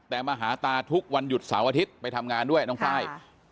แต่มาหาตาทุกวันหยุดเสาร์อาทิตย์ไปทำงานด้วยน้องไฟล์